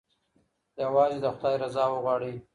یوازې د خدای رضا وغواړئ.